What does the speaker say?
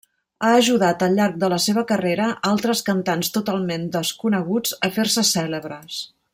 Ha ajudat al llarg de la seva carrera altres cantants totalment desconeguts a fer-se cèlebres.